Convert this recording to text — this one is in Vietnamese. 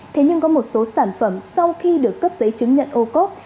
thế nhưng có một số sản phẩm sau khi được cấp giấy chứng nhận ô cốp